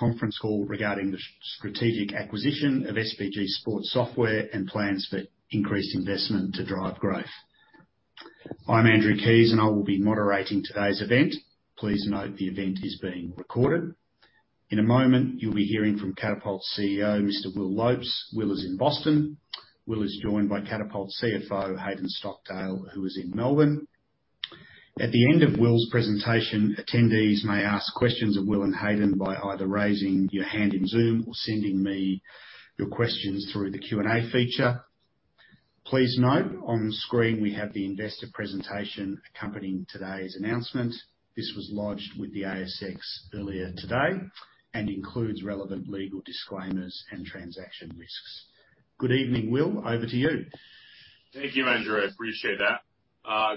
conference call regarding the strategic acquisition of SBG Sports Software and plans for increased investment to drive growth. Am Andrew Keys and I will be moderating today's event. Please note the event is being recorded. In a moment, you will be hearing from Catapult's CEO, Mr. Will Lopes. Will is in Boston. Will is joined by Catapult CFO, Hayden Stockdale, who is in Melbourne. At the end of Will's presentation, attendees may ask questions of Will and Hayden by either raising your hand in Zoom or sending me your questions through the Q&A feature. Please note on screen we have the investor presentation accompanying today's announcement. This was lodged with the ASX earlier today and includes relevant legal disclaimers and transaction risks. Good evening, Will. Over to you. Thank you, Andrew. I appreciate that.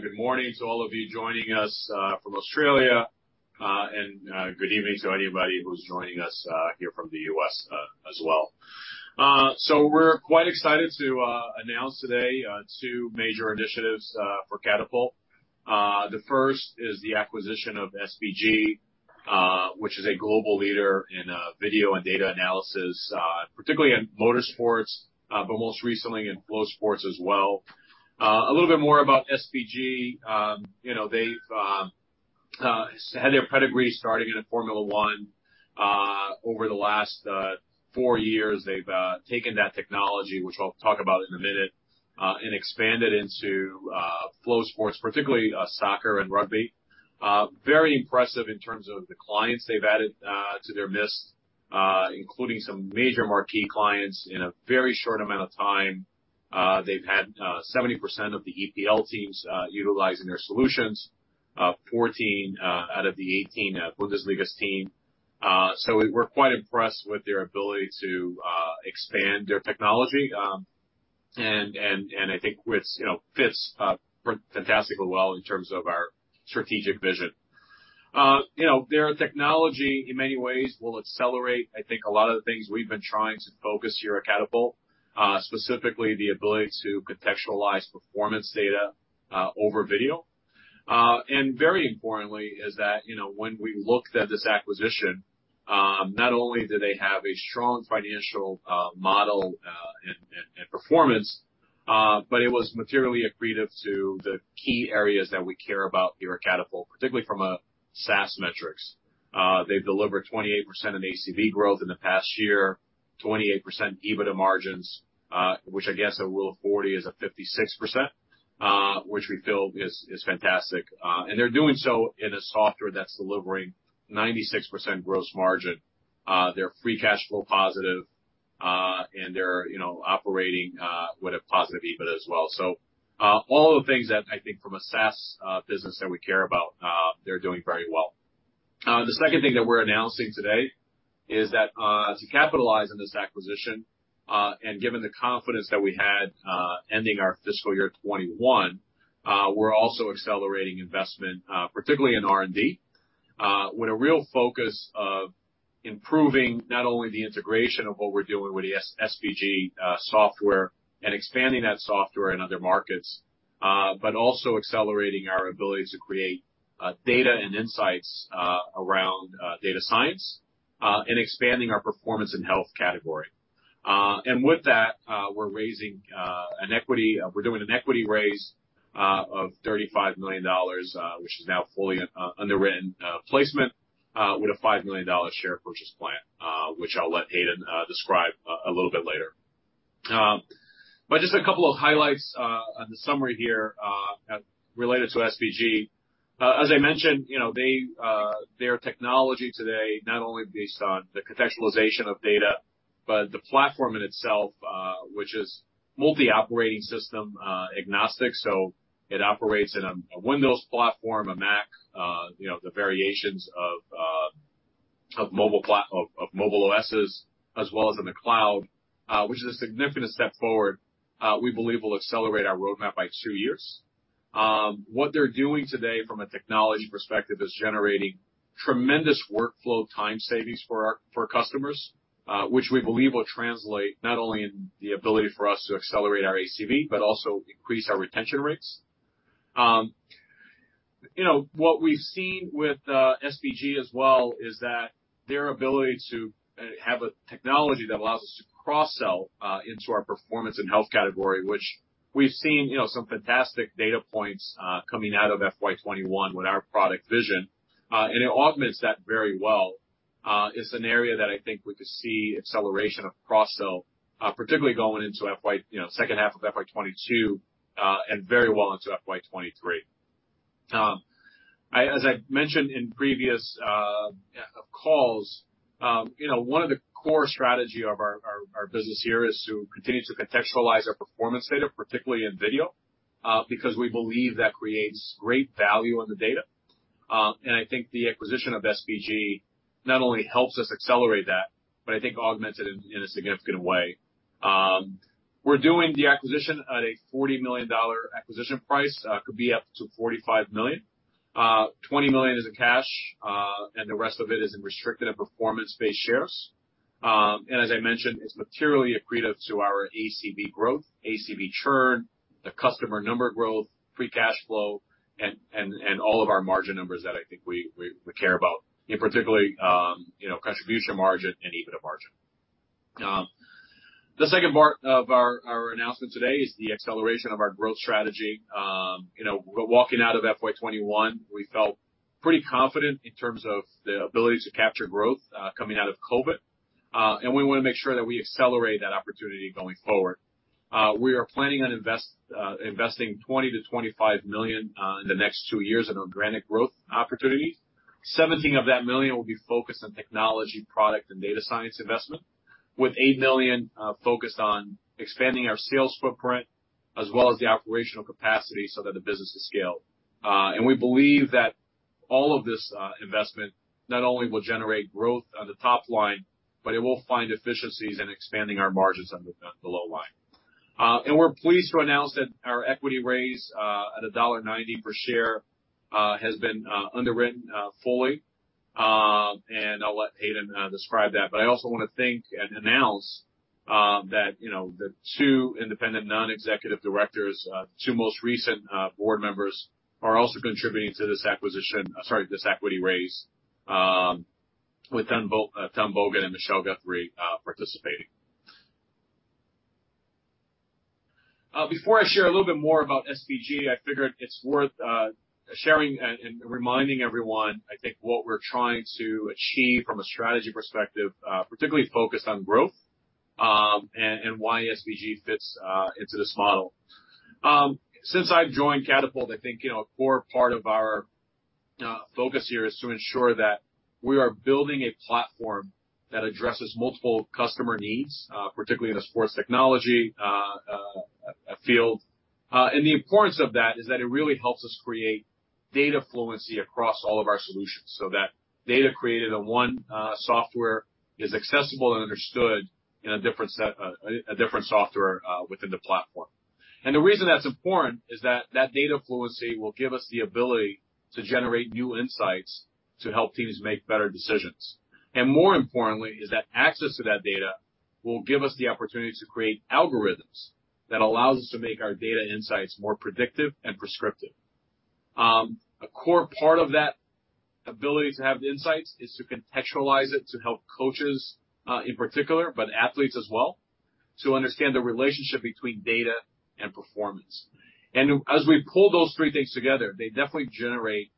Good morning to all of you joining us from Australia, good evening to anybody who's joining us here from the U.S. as well. We're quite excited to announce today two major initiatives for Catapult. The first is the acquisition of SBG, which is a global leader in video and data analysis, particularly in motorsports, most recently in field sports as well. A little bit more about SBG. They've had their pedigree starting in Formula One. Over the last four years, they've taken that technology, which I'll talk about in a minute, expanded into field sports, particularly soccer and rugby. Very impressive in terms of the clients they've added to their list, including some major marquee clients in a very short amount of time. They've had 70% of the EPL teams utilizing their solutions, 14 out of the 18 Bundesliga's team. We're quite impressed with their ability to expand their technology, and I think fits fantastically well in terms of our strategic vision. Their technology, in many ways, will accelerate, I think, a lot of the things we've been trying to focus here at Catapult, specifically the ability to contextualize performance data over video. Very importantly is that when we looked at this acquisition, not only do they have a strong financial model and performance, it was materially accretive to the key areas that we care about here at Catapult, particularly from a SaaS metrics. They've delivered 28% in ACV growth in the past year, 28% EBITDA margins, which I guess at Rule of 40 is a 56%, which we feel is fantastic. They're doing so in a software that's delivering 96% gross margin. They're free cash flow positive, and they're operating with a positive EBITDA as well. All the things that I think from a SaaS business that we care about, they're doing very well. The second thing that we're announcing today is that to capitalize on this acquisition, and given the confidence that we had ending our FY 2021, we're also accelerating investment, particularly in R&D, with a real focus of improving not only the integration of what we're doing with the SBG software and expanding that software in other markets, but also accelerating our ability to create data and insights around data science, and expanding our performance and health category. With that, we're doing an equity raise of 35 million dollars, which is now a fully underwritten placement with a 5 million dollar share purchase plan, which I'll let Hayden describe a little bit later. Just a couple of highlights on the summary here related to SBG. As I mentioned, their technology today not only based on the contextualization of data, but the platform in itself, which is multi-operating system agnostic, so it operates in a Windows platform, a Mac, the variations of mobile OSs as well as in the cloud, which is a significant step forward we believe will accelerate our roadmap by two years. What they're doing today from a technology perspective is generating tremendous workflow time savings for our customers, which we believe will translate not only in the ability for us to accelerate our ACV, but also increase our retention rates. What we see with SBG as well is that their ability to have a technology that allows us to cross-sell into our performance and health category, which we've seen some fantastic data points coming out of FY 2021 with our product Vision, and it augments that very well, is an area that I think we could see acceleration of cross-sell, particularly going into second half of FY 2022, and very well into FY 2023. As I've mentioned in previous calls, one of the core strategy of our business here is to continue to contextualize our performance data, particularly in video, because we believe that creates great value in the data. I think the acquisition of SBG not only helps us accelerate that, but I think augments it in a significant way. We're doing the acquisition at an 40 million dollar acquisition price, could be up to 45 million. 20 million is in cash, and the rest of it is in restricted and performance-based shares. As I mentioned, it's materially accretive to our ACV growth, ACV churn, the customer number growth, free cash flow, and all of our margin numbers that I think we care about, in particular, contribution margin and EBITDA margin. The second part of our announcement today is the acceleration of our growth strategy. Walking out of FY 2021, we felt pretty confident in terms of the ability to capture growth coming out of COVID, and we want to make sure that we accelerate that opportunity going forward. We are planning on investing 20 million-25 million in the next two years in organic growth opportunities. 17 million will be focused on technology, product, and data science investment, with 8 million focused on expanding our sales footprint as well as the operational capacity so that the business will scale. We believe that all of this investment not only will generate growth on the top line, but it will find efficiencies in expanding our margins on the bottom, the bottom line. We're pleased to announce that our equity raise at dollar 1.90 per share has been underwritten fully, and I'll let Hayden describe that. I also want to thank and announce that the two independent non-executive directors, two most recent board members, are also contributing to this acquisition, sorry, this equity raise, with Thomas Bogan and Michelle Guthrie participating. Before I share a little bit more about SBG, I figured it's worth sharing and reminding everyone, I think, what we're trying to achieve from a strategy perspective, particularly focused on growth, and why SBG fits into this model. Since I've joined Catapult, I think, a core part of our focus here is to ensure that we are building a platform that addresses multiple customer needs, particularly in the sports technology field. The importance of that is that it really helps us create data fluency across all of our solutions, so that data created in one software is accessible and understood in a different software within the platform. The reason that's important is that that data fluency will give us the ability to generate new insights to help teams make better decisions. More importantly, is that access to that data will give us the opportunity to create algorithms that allows us to make our data insights more predictive and prescriptive. A core part of that ability to have insights is to contextualize it to help coaches in particular, but athletes as well, to understand the relationship between data and performance. As we pull those three things together, they definitely generate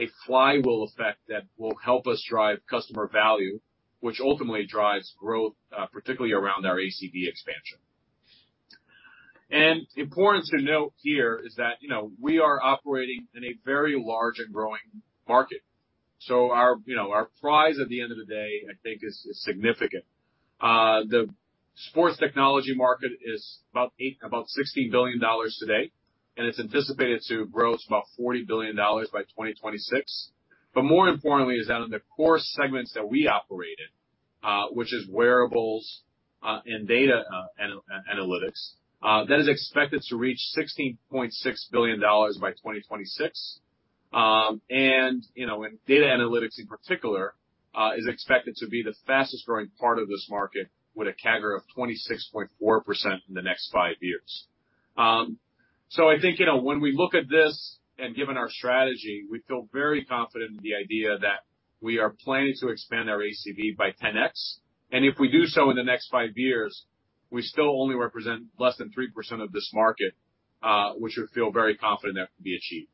a flywheel effect that will help us drive customer value, which ultimately drives growth, particularly around our ACV expansion. Important to note here is that we are operating in a very large and growing market. Our prize at the end of the day, I think, is significant. The sports technology market is about 16 billion dollars today, and it's anticipated to grow to about 40 billion dollars by 2026. More importantly is that in the core segments that we operate in, which is wearables and data analytics, that is expected to reach 16.6 billion dollars by 2026. Data analytics in particular is expected to be the fastest-growing part of this market, with a CAGR of 26.4% in the next five years. I think, when we look at this and given our strategy, we feel very confident in the idea that we are planning to expand our ACV by 10x. If we do so in the next five years, we still only represent less than 3% of this market, which I feel very confident that can be achieved.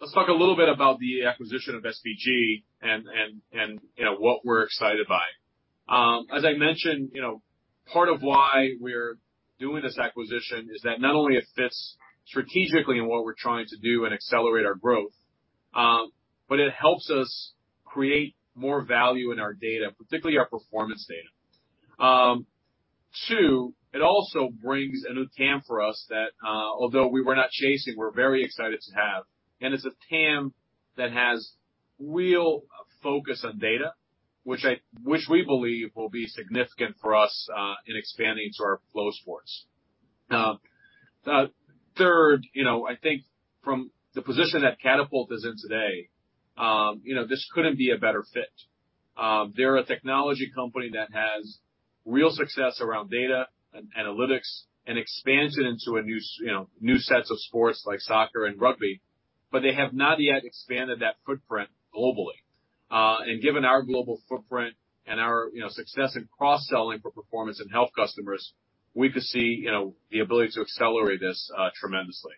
Let's talk a little bit about the acquisition of SBG and what we're excited by. As I mentioned, part of why we're doing this acquisition is that not only it fits strategically in what we're trying to do and accelerate our growth, but it helps us create more value in our data, particularly our performance data. Two, it also brings a new TAM for us that, although we were not chasing, we're very excited to have, and it's a TAM that has real focus on data, which we believe will be significant for us in expanding to our field sports. Third, I think from the position that Catapult is in today, this couldn't be a better fit. They're a technology company that has real success around data analytics and expands it into new sets of sports like soccer and rugby, but they have not yet expanded that footprint globally. Given our global footprint and our success in cross-selling for performance and health customers, we could see the ability to accelerate this tremendously.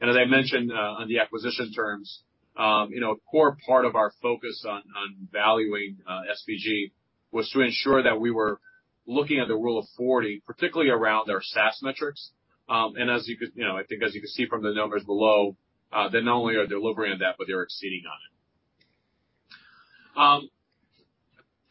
As I mentioned on the acquisition terms, a core part of our focus on valuing SBG was to ensure that we were looking at the Rule of 40, particularly around their SaaS metrics. As you can see from the numbers below, they not only are delivering on that, but they're exceeding on it. A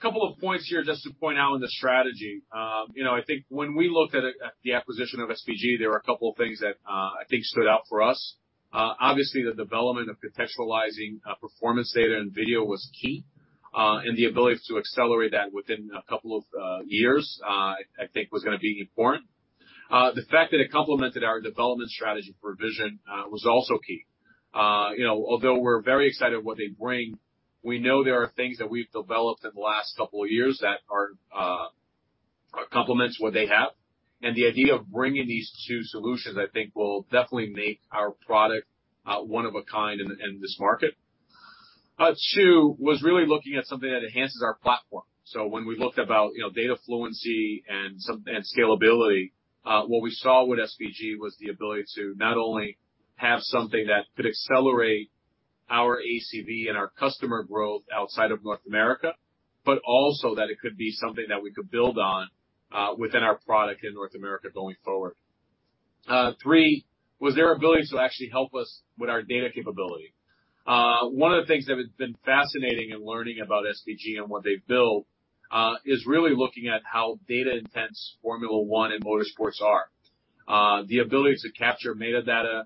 couple of points here just to point out on the strategy. I think when we looked at the acquisition of SBG, there were a couple of things that I think stood out for us. Obviously, the development of contextualizing performance data and video was key, and the ability to accelerate that within a couple of years, I think was going to be important. The fact that it complemented our development strategy for Vision was also key. Although we're very excited what they bring, we know there are things that we've developed in the last couple of years that complements what they have. The idea of bringing these two solutions, I think, will definitely make our product one of a kind in this market. Two, was really looking at something that enhances our platform. When we looked about data fluency and scalability, what we saw with SBG was the ability to not only have something that could accelerate our ACV and our customer growth outside of North America, but also that it could be something that we could build on within our product in North America going forward. Three, was their ability to actually help us with our data capability. One of the things that has been fascinating in learning about SBG and what they've built is really looking at how data-intense Formula One and motorsports are. The ability to capture metadata,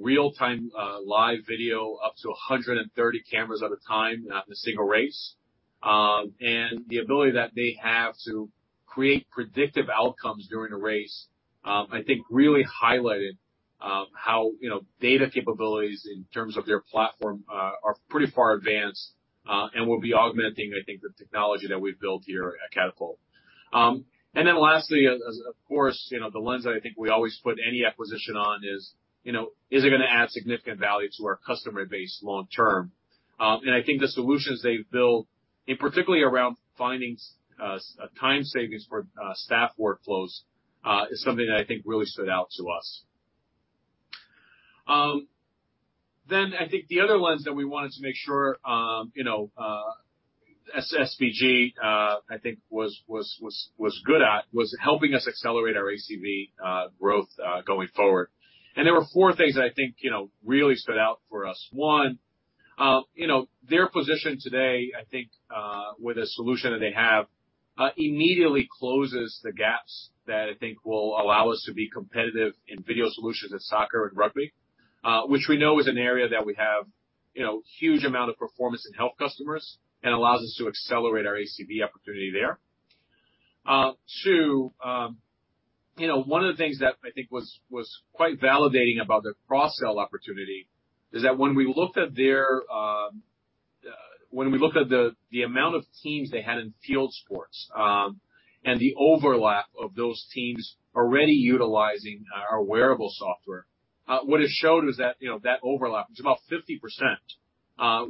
real-time live video up to 130 cameras at a time in a single race, and the ability that they have to create predictive outcomes during a race, I think really highlighted how data capabilities in terms of their platform are pretty far advanced and will be augmenting, I think, the technology that we've built here at Catapult. Lastly, of course, the lens I think we always put any acquisition on is it going to add significant value to our customer base long-term? I think the solutions they've built, and particularly around finding time savings for staff workflows, is something that I think really stood out to us. I think the other lens that we wanted to make sure SBG I think was good at was helping us accelerate our ACV growth going forward. There were four things I think really stood out for us. One, their position today, I think with the solution that they have immediately closes the gaps that I think will allow us to be competitive in video solutions in soccer and rugby, which we know is an area that we have huge amount of performance in health customers and allows us to accelerate our ACV opportunity there. Two, one of the things that I think was quite validating about the cross-sell opportunity is that when we looked at the amount of teams they had in field sports and the overlap of those teams already utilizing our wearable software, what it showed is that overlap, which is about 50%,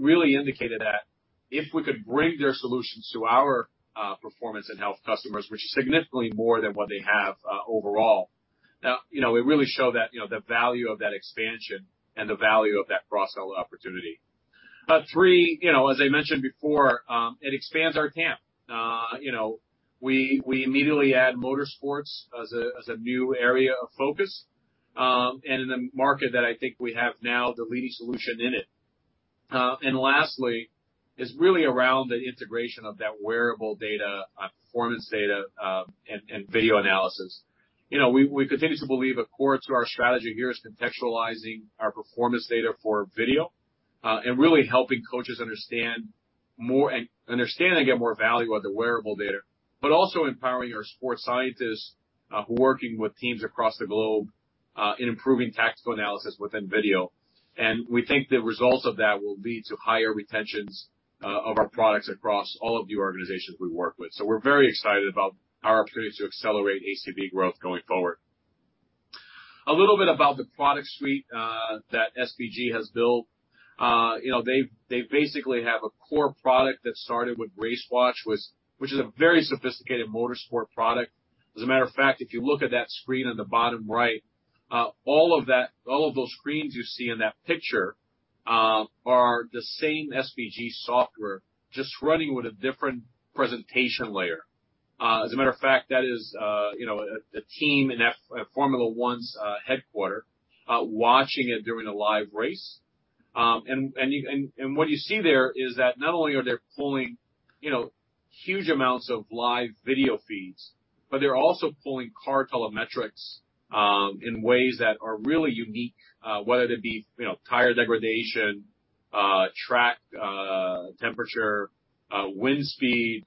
really indicated that if we could bring their solutions to our performance and health customers, which is significantly more than what they have overall, it really showed the value of that expansion and the value of that cross-sell opportunity. Three, as I mentioned before, it expands our TAM. We immediately add motorsports as a new area of focus and a market that I think we have now the leading solution in it. Lastly is really around the integration of that wearable data, performance data, and video analysis. We continue to believe a core to our strategy here is contextualizing our performance data for video and really helping coaches understand and get more value out of the wearable data, but also empowering our sports scientists who are working with teams across the globe in improving tactical analysis within video. We think the results of that will lead to higher retentions of our products across all of the organizations we work with. We're very excited about our opportunity to accelerate ACV growth going forward. A little bit about the product suite that SBG has built. They basically have a core product that started with RaceWatch, which is a very sophisticated motorsport product. As a matter of fact, if you look at that screen on the bottom right, all of those screens you see in that picture are the same SBG software just running with a different presentation layer. As a matter of fact, that is the team in Formula 1's headquarters watching it during a live race. What you see there is that not only are they pulling huge amounts of live video feeds, but they're also pulling car telemetry in ways that are really unique, whether it be tire degradation, track temperature, wind speed,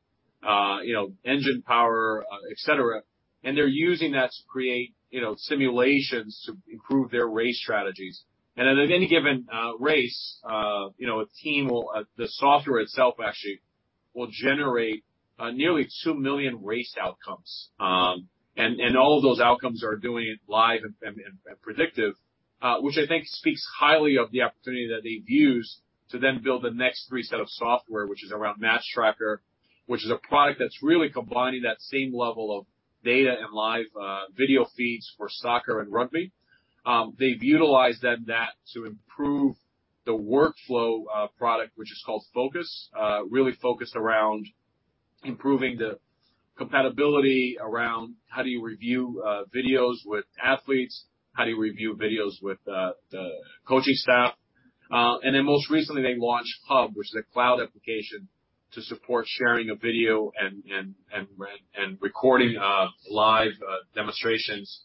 engine power, etc. They're using that to create simulations to improve their race strategies. In any given race, the software itself actually will generate nearly 2 million race outcomes. All those outcomes are doing it live and predictive, which I think speaks highly of the opportunity that they've used to then build the next three set of software, which is around MatchTracker, which is a product that's really combining that same level of data and live video feeds for soccer and rugby. They've utilized then that to improve the workflow product, which is called Focus, really focused around improving the compatibility around how do you review videos with athletes, how do you review videos with the coaching staff. Most recently, they launched Hub, which is a cloud application to support sharing a video and recording live demonstrations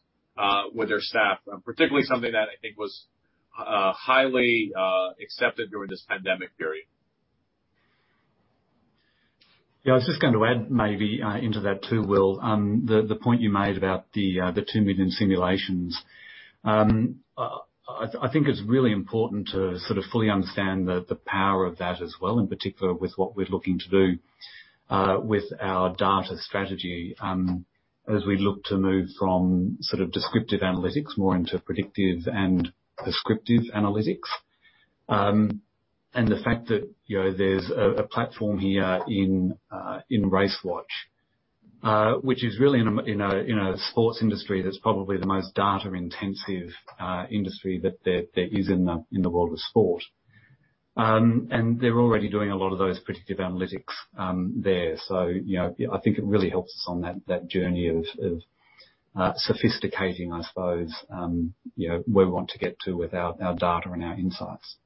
with their staff, particularly something that I think was highly accepted during this pandemic period. Yeah. I was just going to add maybe into that too, Will, the point you made about the 2 million simulations. I think it's really important to sort of fully understand the power of that as well, in particular with what we're looking to do with our data strategy as we look to move from sort of descriptive analytics more into predictive and prescriptive analytics. The fact that there's a platform here in RaceWatch, which is really in a sports industry that's probably the most data-intensive industry that there is in the world of sport. I think it really helps us on that journey of sophisticating, I suppose, where we want to get to with our data and our insights.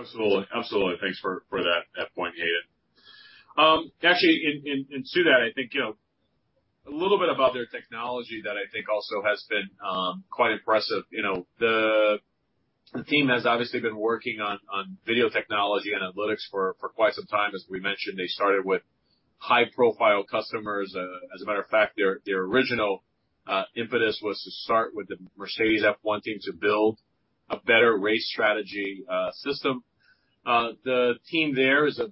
Absolutely. Thanks for that point, Hayden. Actually into that, I think a little bit about their technology that I think also has been quite impressive. The team has obviously been working on video technology and analytics for quite some time. As we mentioned, they started with high-profile customers. As a matter of fact, their original impetus was to start with the Mercedes F1 team to build a better race strategy system. The team there is a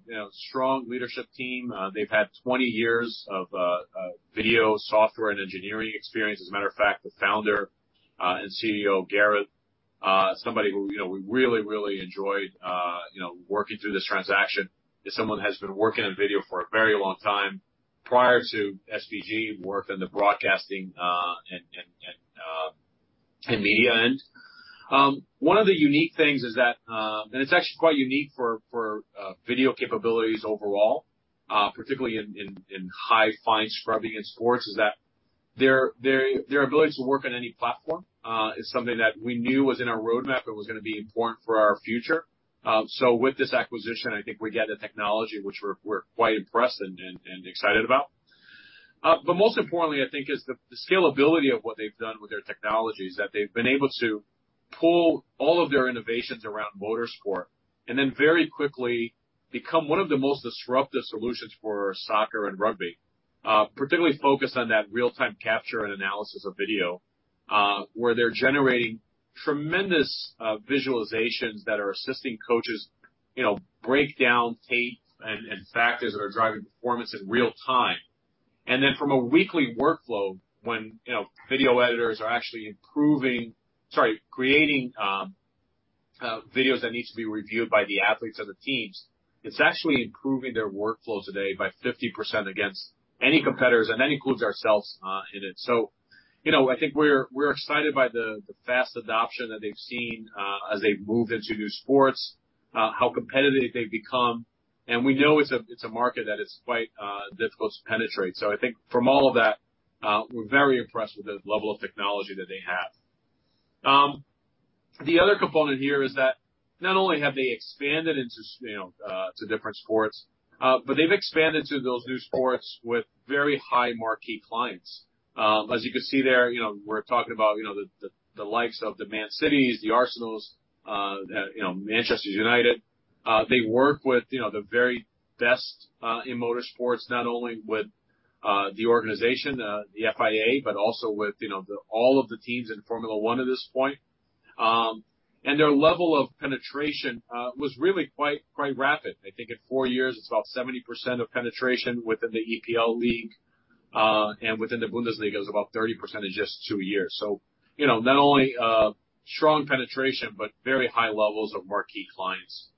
strong leadership team. They've had 20 years of video software and engineering experience. As a matter of fact, the founder and CEO, Gareth, somebody who we really, really enjoyed working through this transaction, is someone who has been working on video for a very long time prior to SBG work in the broadcasting and media end. One of the unique things is that, and it's actually quite unique for video capabilities overall, particularly in high fine scrubbing in sports, is that their ability to work on any platform is something that we knew was in our roadmap and was going to be important for our future. With this acquisition, I think we get the technology which we're quite impressed and excited about. Most importantly, I think is the scalability of what they've done with their technologies, that they've been able to pull all of their innovations around motorsport and then very quickly become one of the most disruptive solutions for soccer and rugby. Particularly focused on that real-time capture and analysis of video, where they're generating tremendous visualizations that are assisting coaches break down tape and factors that are driving performance in real-time. From a weekly workflow, when video editors are actually creating videos that need to be reviewed by the athletes and the teams, it's actually improving their workflow today by 50% against any competitors and that includes ourselves in it. I think we're excited by the fast adoption that they've seen as they've moved into new sports, how competitive they've become. we know it's a market that is quite difficult to penetrate. I think from all of that, we're very impressed with the level of technology that they have. The other component here is that not only have they expanded into different sports, but they've expanded to those new sports with very high marquee clients. As you can see there, we're talking about the likes of the Man Citys, the Arsenals, Manchester United. They work with the very best in motorsports, not only with the organization, the FIA, but also with all of the teams in Formula One at this point. Their level of penetration was really quite rapid. I think in four years, it's about 70% of penetration within the EPL league. Within the Bundesliga is about 30% in just two years. Not only strong penetration, but very high levels of marquee clients.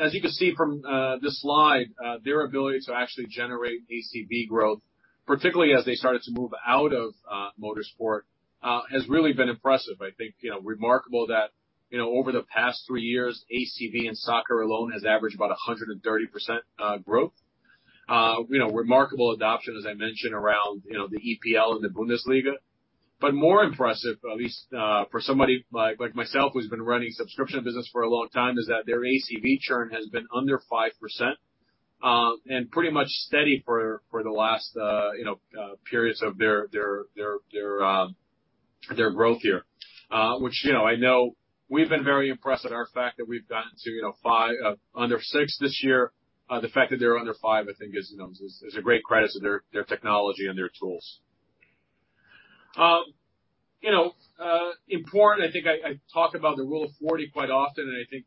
As you can see from this slide, their ability to actually generate ACV growth, particularly as they started to move out of motorsport, has really been impressive. I think remarkable that over the past three years, ACV in soccer alone has averaged about 130% growth. Remarkable adoption, as I mentioned, around the EPL and the Bundesliga. More impressive, at least for somebody like myself, who's been running subscription business for a long time, is that their ACV churn has been under 5% and pretty much steady for the last periods of their growth year. Which I know we've been very impressed at our fact that we've gotten to under six this year. The fact that they're under five, I think is a great credit to their technology and their tools. Important, I think I talk about the Rule of 40 quite often, and I think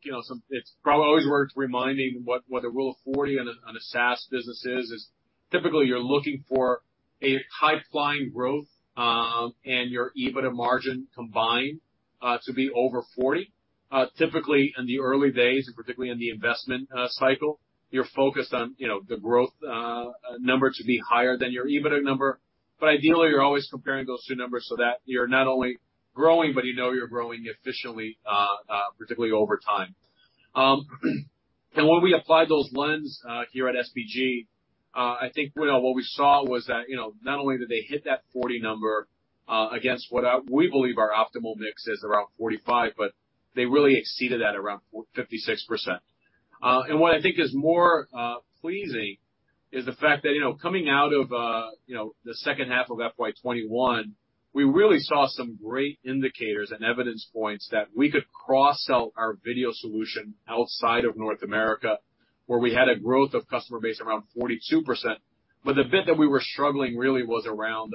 it's probably always worth reminding what a Rule of 40 on a SaaS business is typically you're looking for a high-flying growth, and your EBITDA margin combined to be over 40. Typically, in the early days, particularly in the investment cycle, you're focused on the growth number to be higher than your EBITDA number. Ideally, you're always comparing those two numbers so that you're not only growing, but you know you're growing efficiently, particularly over time. When we applied those lenses here at SBG, I think what we saw was that, not only did they hit that 40 number against what we believe our optimal mix is, around 45, but they really exceeded that around 56%. What I think is more pleasing is the fact that coming out of the second half of FY 2021, we really saw some great indicators and evidence points that we could cross-sell our video solution outside of North America, where we had a growth of customer base around 42%. The bit that we were struggling really was around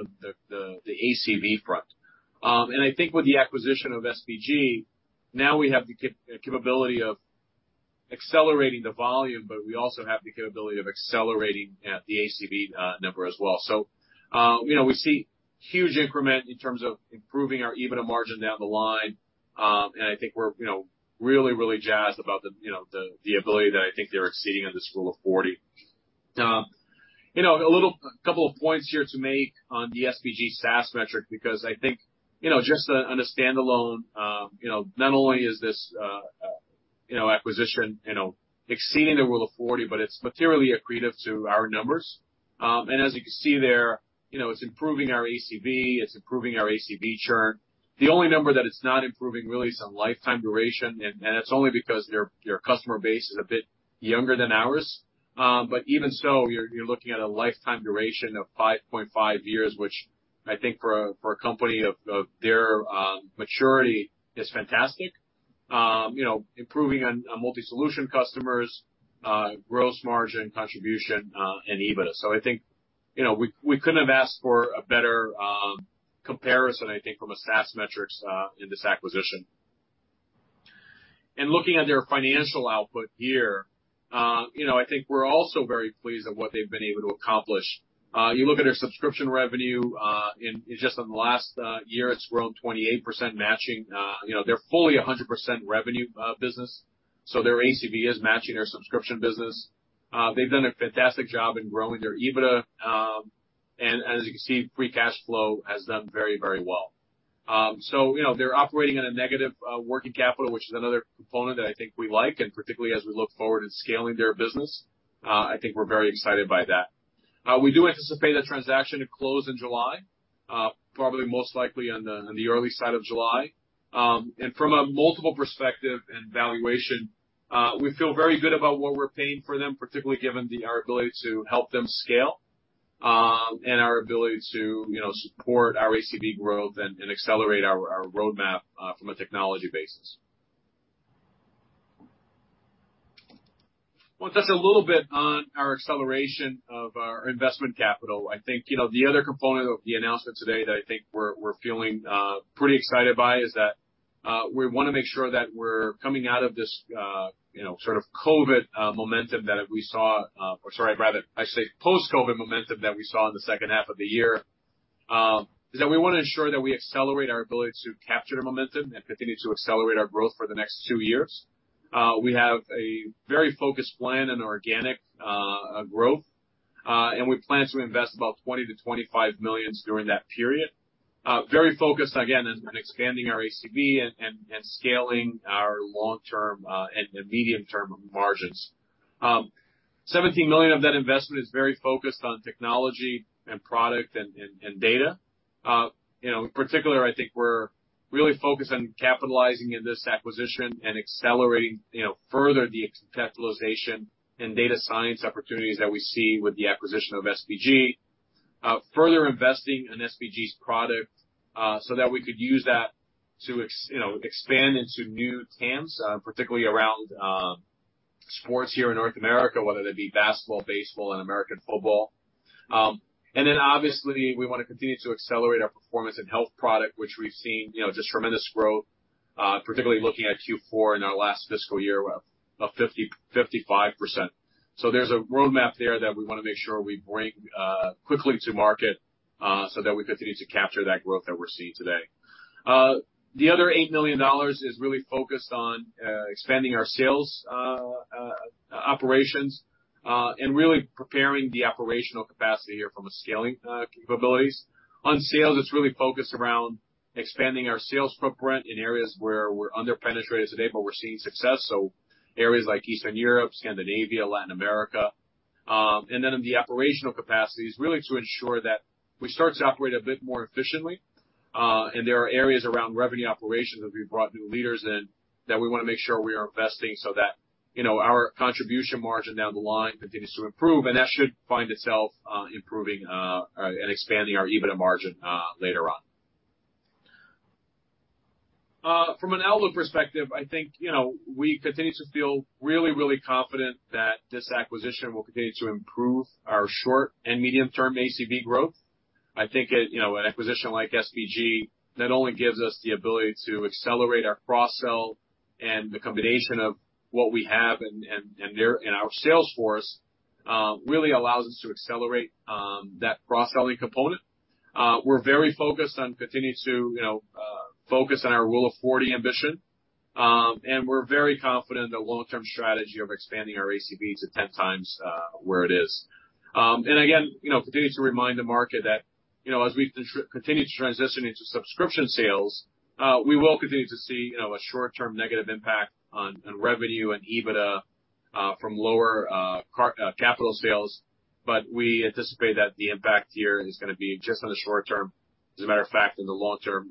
the ACV front. I think with the acquisition of SBG, now we have the capability of accelerating the volume, but we also have the capability of accelerating the ACV number as well. We see huge increment in terms of improving our EBITDA margin down the line. I think we're really jazzed about the ability that I think they're exceeding on this Rule of 40. A couple of points here to make on the SBG SaaS metric, because I think just on a standalone, not only is this acquisition exceeding the Rule of 40, but it's materially accretive to our numbers. As you can see there, it's improving our ACV, it's improving our ACV churn. The only number that it's not improving really is on lifetime duration, and it's only because their customer base is a bit younger than ours. Even so, you're looking at a lifetime duration of 5.5 years, which I think for a company of their maturity is fantastic. Improving on multi-solution customers, gross margin contribution, and EBITDA. I think we couldn't have asked for a better comparison, I think from a SaaS metrics, in this acquisition. Looking at their financial output here, I think we're also very pleased at what they've been able to accomplish. You look at their subscription revenue, in just in the last year, it's grown 28% matching. They're fully 100% revenue business, so their ACV is matching their subscription business. They've done a fantastic job in growing their EBITDA. As you can see, free cash flow has done very well. They're operating in a negative working capital, which is another component that I think we like, and particularly as we look forward to scaling their business. I think we're very excited by that. We do anticipate the transaction to close in July, probably most likely on the early side of July. From a multiple perspective and valuation, we feel very good about what we're paying for them, particularly given our ability to help them scale, and our ability to support our ACV growth and accelerate our roadmap from a technology basis. We'll touch a little bit on our acceleration of our investment capital. I think the other component of the announcement today that I think we're feeling pretty excited by is that we want to make sure that we're coming out of this post-COVID momentum that we saw in the second half of the year, is that we want to ensure that we accelerate our ability to capture momentum and continue to accelerate our growth for the next two years. We have a very focused plan in organic growth, and we plan to invest about 20 million-25 million during that period. Very focused again on expanding our ACV and scaling our long-term and medium-term margins. 17 million of that investment is very focused on technology and product and data. In particular, I think we're really focused on capitalizing in this acquisition and accelerating further the technicalization and data science opportunities that we see with the acquisition of SBG. Further investing in SBG's product, so that we could use that to expand into new TAMs, particularly around sports here in North America, whether that be basketball, baseball, and American football. Then obviously, we want to continue to accelerate our performance in health product, which we've seen just tremendous growth, particularly looking at Q4 in our last fiscal year of 55%. There's a roadmap there that we want to make sure we bring quickly to market, so that we continue to capture that growth that we're seeing today. The other 8 million dollars is really focused on expanding our sales operations, and really preparing the operational capacity here from a scaling capabilities. On sales, it's really focused around expanding our sales footprint in areas where we're under-penetrated today, but we're seeing success, so areas like Eastern Europe, Scandinavia, Latin America. In the operational capacities, really to ensure that we start to operate a bit more efficiently. There are areas around revenue operations where we've brought new leaders in that we want to make sure we are investing so that our contribution margin down the line continues to improve, and that should find itself improving, and expanding our EBITDA margin later on. From an outlook perspective, I think we continue to feel really confident that this acquisition will continue to improve our short and medium-term ACV growth. I think an acquisition like SBG not only gives us the ability to accelerate our cross-sell and the combination of what we have and their sales force really allows us to accelerate that cross-selling component. We're very focused on continuing to focus on our Rule of 40 ambition. We're very confident in the long-term strategy of expanding our ACV to 10x where it is. Again, continue to remind the market that as we continue to transition into subscription sales, we will continue to see a short-term negative impact on revenue and EBITDA from lower capital sales. We anticipate that the impact here is going to be just on the short-term. As a matter of fact, in the long-term,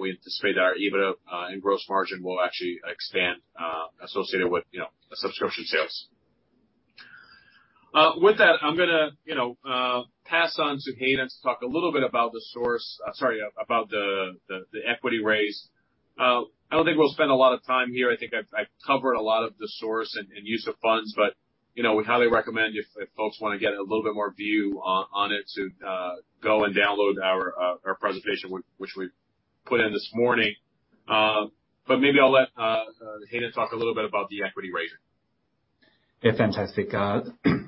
we anticipate our EBITDA and gross margin will actually expand, associated with subscription sales. With that, I'm going to pass on to Hayden to talk a little bit about the equity raise. I don't think we'll spend a lot of time here. I think I've covered a lot of the source and use of funds, but we highly recommend if folks want to get a little bit more view on it to go and download our presentation which we put in this morning. maybe I'll let Hayden talk a little bit about the equity raise. Yeah. Fantastic.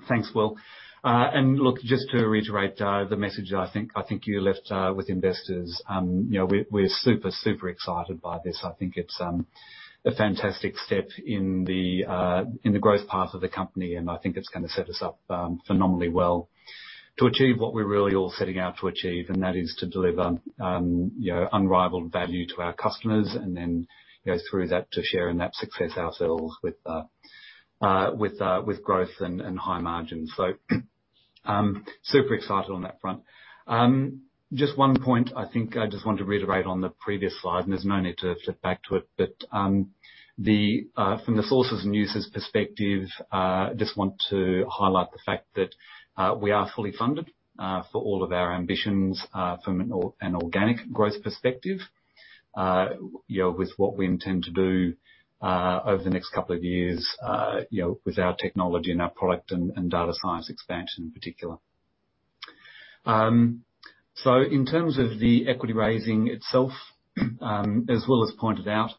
Thanks, Will. Look, just to reiterate the message I think you left with investors. We're super excited by this. I think it's a fantastic step in the growth path of the company, and I think it's going to set us up phenomenally well to achieve what we're really all setting out to achieve, and that is to deliver unrivaled value to our customers. Through that, to share in that success ourselves with growth and high margins. Super excited on that front. Just one point I think I just want to reiterate on the previous slide, and there's no need to flip back to it, but from the sources and users perspective, I just want to highlight the fact that we are fully funded for all of our ambitions from an organic growth perspective with what we intend to do over the next couple of years with our technology and our product and data science expansion in particular. In terms of the equity raising itself, as Will has pointed out,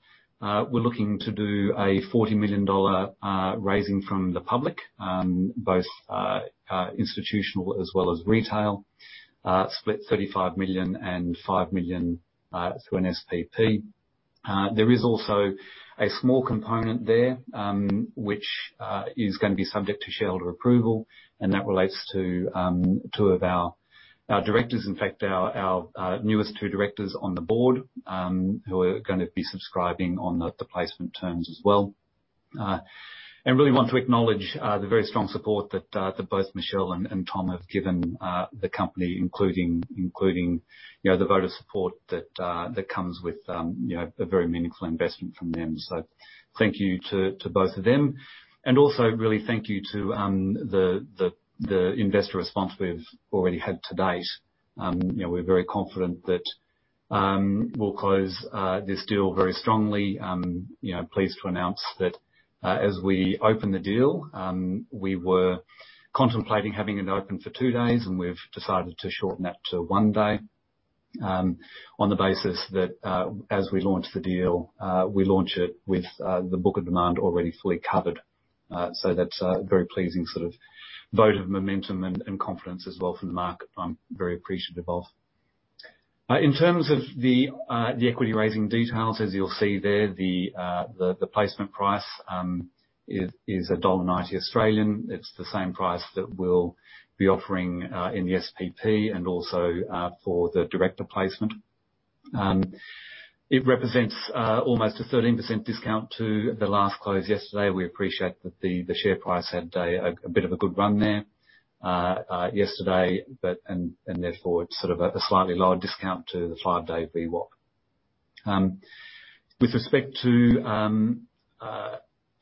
we're looking to do a 40 million dollar raising from the public, both institutional as well as retail, split 35 million and 5 million through an SPP. There is also a small component there, which is going to be subject to shareholder approval, and that relates to two of our directors. In fact, our newest two directors on the board, who are going to be subscribing on the placement terms as well. Really want to acknowledge the very strong support that both Michelle and Tom have given the company, including the vote of support that comes with a very meaningful investment from them. Thank you to both of them and also really thank you to the investor response we've already had to date. We're very confident that we'll close this deal very strongly. Pleased to announce that as we open the deal, we were contemplating having it open for two days, and we've decided to shorten that to one day, on the basis that as we launch the deal, we launch it with the book of demand already fully covered. That's a very pleasing sort of vote of momentum and confidence as well from the market, which I'm very appreciative of. In terms of the equity raising details, as you'll see there, the placement price is 1.90 Australian dollars. It's the same price that we'll be offering in the SPP and also for the director placement. It represents almost a 13% discount to the last close yesterday. We appreciate that the share price had a bit of a good run there yesterday and therefore it's sort of a slightly lower discount to the five-day VWAP. With respect to the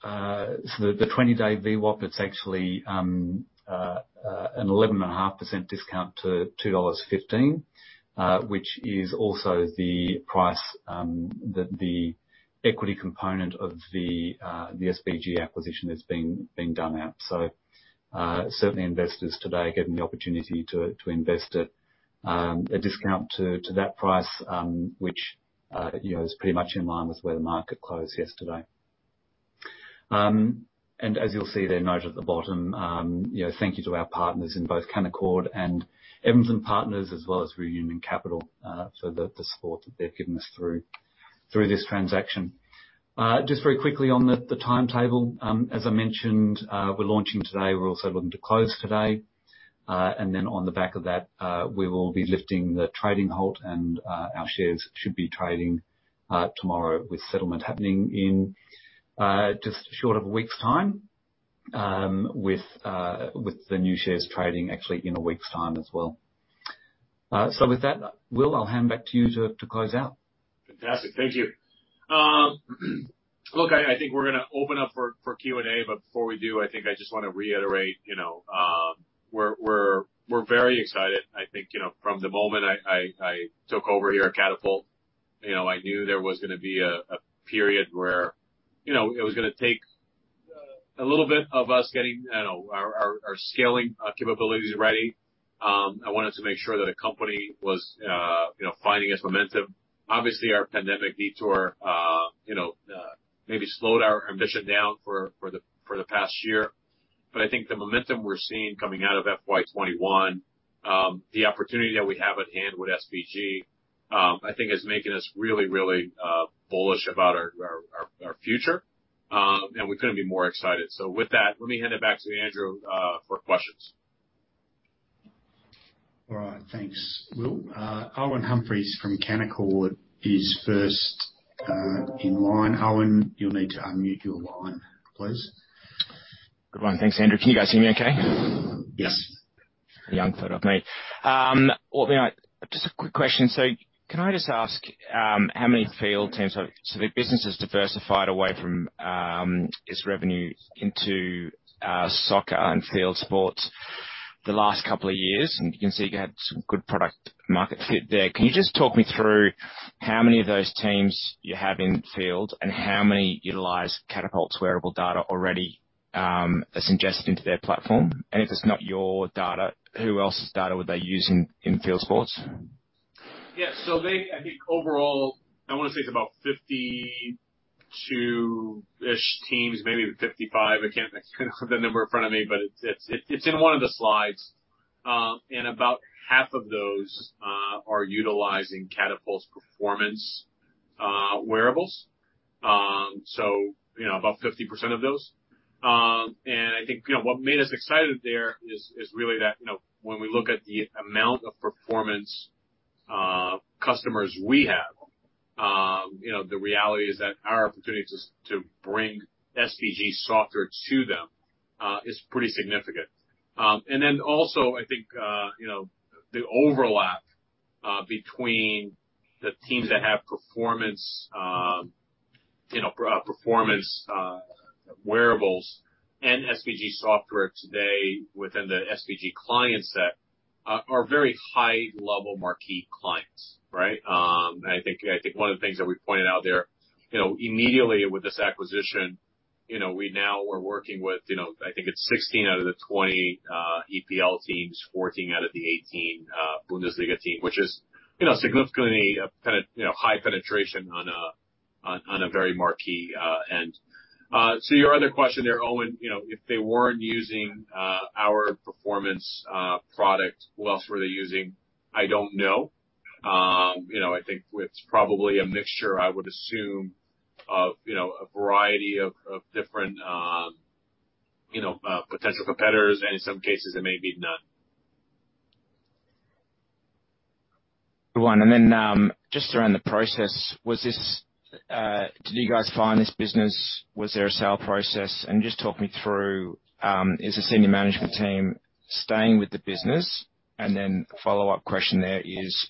20-day VWAP, it's actually an 11.5% discount to 2.15 dollars, which is also the price that the equity component of the SBG acquisition is being done at. Certainly investors today are given the opportunity to invest at a discount to that price, which is pretty much in line with where the market closed yesterday. As you'll see the note at the bottom, thank you to our partners in both Canaccord and Evans & Partners as well as Reunion Capital for the support that they've given us through this transaction. Just very quickly on the timetable. As I mentioned, we're launching today. We're also looking to close today. On the back of that, we will be lifting the trading halt, and our shares should be trading tomorrow with settlement happening in just short of a week's time, with the new shares trading actually in a week's time as well. With that, Will, I'll hand back to you to close out. Fantastic. Thank you. Look, I think we're going to open up for Q&A, but before we do, I think I just want to reiterate, we're very excited. I think, from the moment I took over here at Catapult, I knew there was going to be a period where it was going to take a little bit of us getting our scaling capabilities ready. I wanted to make sure that the company was finding its momentum. Obviously, our pandemic detour maybe slowed our ambition down for the past year. I think the momentum we're seeing coming out of FY 2021, the opportunity that we have at hand with SBG, I think is making us really bullish about our future. We couldn't be more excited. With that, let me hand it back to Andrew for questions. All right. Thanks, Will. Owen Humphries from Canaccord is first in line. Owen, you'll need to unmute your line, please. Thanks, Andrew. Can you guys hear me okay? Yes. Just a quick question. Their business has diversified away from its revenue into soccer and field sports the last couple of years, and you can see you had some good product market fit there. Can you just talk me through how many of those teams you have in the field and how many utilize Catapult's wearable data already as ingested into their platform? If it's not your data, who else's data were they using in field sports? Yeah. I think overall, I want to say it's about 52 ish teams, maybe even 55. I can't remember the number in front of me, but it's in one of the slides. About half of those are utilizing Catapult's performance wearables. About 50% of those. I think what made us excited there is really that when we look at the amount of performance customers we have, the reality is that our opportunity to bring SBG software to them is pretty significant. Also, I think, the overlap between the teams that have performance wearables and SBG software today within the SBG client set are very high-level marquee clients, right? I think one of the things that we pointed out there, immediately with this acquisition, we now are working with I think it's 16 out of the 20 EPL teams, 14 out of the 18 Bundesliga team, which is significantly a high penetration on a very marquee end. Your other question there, Owen, if they weren't using our performance product, who else were they using? I don't know. I think it's probably a mixture, I would assume, of a variety of different potential competitors, and in some cases, it may be none. Just around the process, did you guys find this business? Was there a sale process? just talk me through, is the senior management team staying with the business? follow-up question there is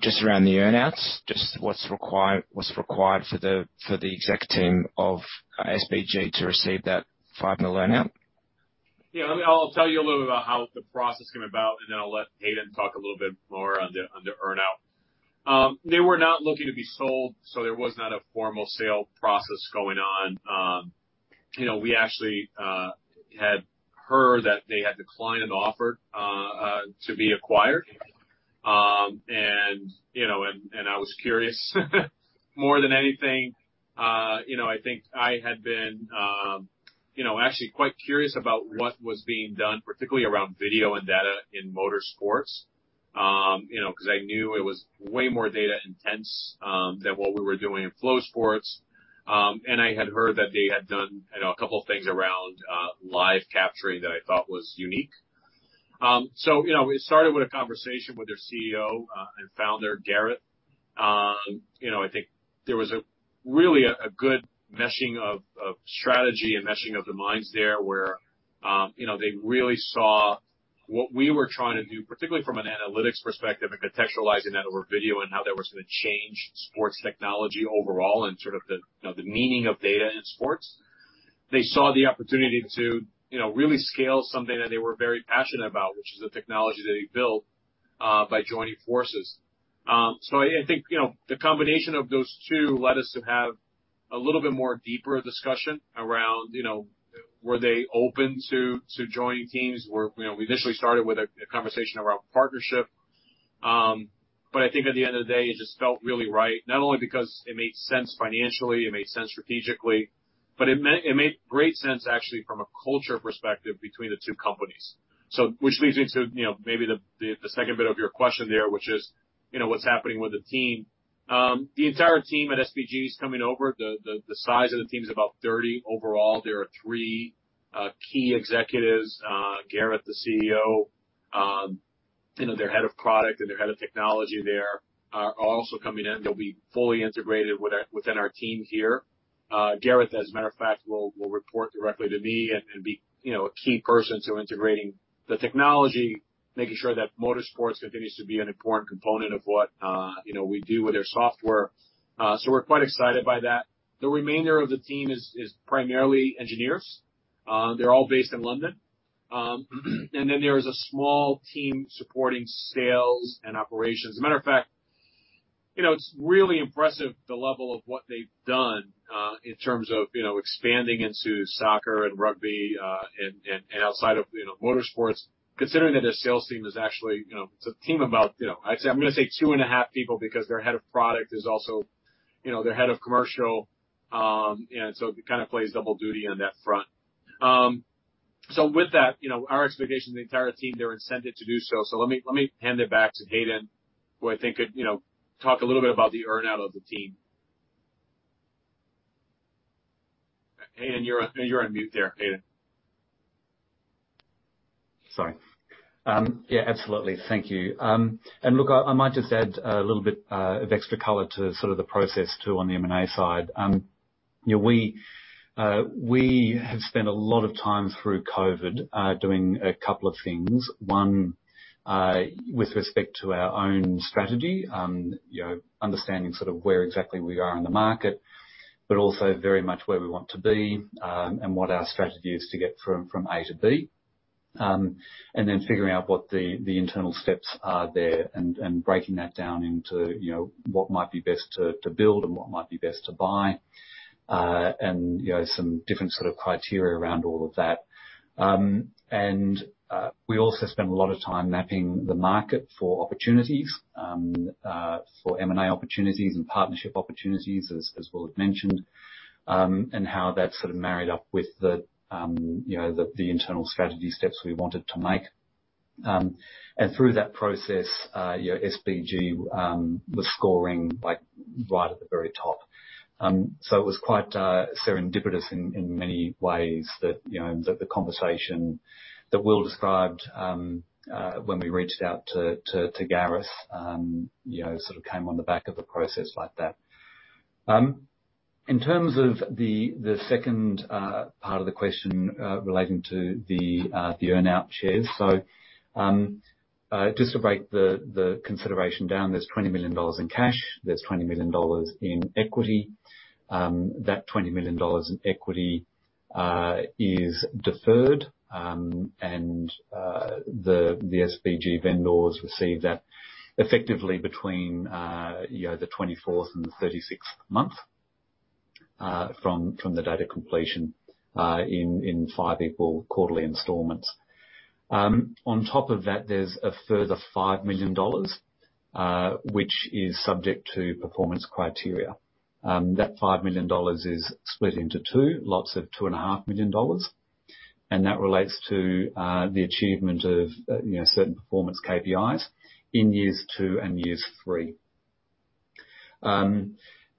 just around the earn-outs, just what's required for the exec team of SBG to receive that 5 million earn-out? Yeah. I'll tell you a little bit about how the process came about, and then I'll let Hayden talk a little bit more on the earn-out. They were not looking to be sold, so there was not a formal sale process going on. I was curious more than anything, I think I had been actually quite curious about what was being done, particularly around video and data in motorsports, because I knew it was way more data intense than what we were doing in field sports. I had heard that they had done a couple of things around live capturing that I thought was unique. It started with a conversation with their CEO and founder, Gareth. I think there was really a good meshing of strategy and meshing of the minds there, where they really saw what we were trying to do, particularly from an analytics perspective and contextualizing that over video and how that was going to change sports technology overall and sort of the meaning of data in sports. They saw the opportunity to, you know, really scale something that they were very passionate about, which is the technology they built, uh, by joining forces. I think the combination of those two led us to have a little bit more deeper discussion around were they open to joining teams, where we initially started with a conversation around partnership. I think at the end of the day, it just felt really right, not only because it made sense financially, it made sense strategically, but it made great sense actually from a culture perspective between the two companies. Which leads me to maybe the second bit of your question there, which is what's happening with the team. The entire team at SBG is coming over. The size of the team is about 30 overall. There are three key executives, Gareth, the CEO, their head of product and their head of technology there are also coming in. They'll be fully integrated within our teams here. Gareth, as a matter of fact, will report directly to me and be a key person to integrating the technology, making sure that motorsports continues to be an important component of what we do with our software. We're quite excited by that. The remainder of the team is primarily engineers. They're all based in London. There is a small team supporting sales and operations. As a matter of fact, it's really impressive the level of what they've done in terms of expanding into soccer and rugby, and outside of motorsports, considering that their sales team is actually a team of about, I'm going to say 2.5 people because their head of product is also their head of commercial. It kind of plays double duty on that front. With that, our expectation, the entire team, they're incented to do so. Let me hand it back to Hayden, who I think could talk a little bit about the earn-out of the team. Hayden, you're on mute there, Hayden. Sorry. Yeah, absolutely. Thank you. Look, I might just add a little bit of extra color to the process too on the M&A side. We have spent a lot of time through COVID doing a couple of things. One, with respect to our own strategy, understanding where exactly we are in the market, but also very much where we want to be and what our strategy is to get from A-B. Figuring out what the internal steps are there and breaking that down into what might be best to build and what might be best to buy, and some different criteria around all of that. We also spent a lot of time mapping the market for opportunities, for M&A opportunities and partnership opportunities, as Will mentioned, and how that married up with the internal strategy steps we wanted to make. Through that process, SBG was scoring right at the very top. It was quite serendipitous in many ways that the conversation that Will described when we reached out to Gareth came on the back of a process like that. In terms of the second part of the question relating to the earn-out shares. Just to break the consideration down, there's 20 million dollars in cash, there's 20 million dollars in equity. That 20 million dollars in equity is deferred, and the SBG vendors receive that effectively between the 24th and the 36th month from the date of completion in five equal quarterly installments. On top of that, there's a further 5 million dollars, which is subject to performance criteria. That 5 million dollars is split into two lumps of 2.5 million dollars, and that relates to the achievement of certain performance KPIs in years two and years three.